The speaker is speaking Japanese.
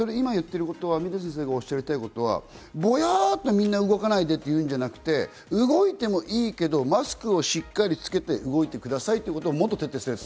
水野先生がおっしゃりたいことはボヤっとみんな動かないでと言うんじゃなくて、動いてもいいけどとマスクをしっかりつけて動いてくださいということをもっと徹底したい。